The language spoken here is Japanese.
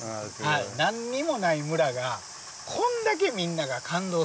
何にもない村がこんだけみんなが感動するんやって。